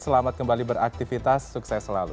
selamat kembali beraktivitas sukses selalu